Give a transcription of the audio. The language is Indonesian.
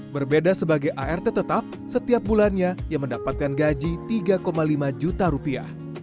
berbeda sebagai art tetap setiap bulannya ia mendapatkan gaji tiga lima juta rupiah